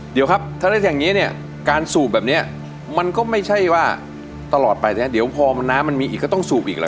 เดี๋ยวครับถ้าเล่นอย่างนี้เนี่ยการสูบแบบนี้มันก็ไม่ใช่ว่าตลอดไปนะเดี๋ยวพอน้ำมันมีอีกก็ต้องสูบอีกแล้ว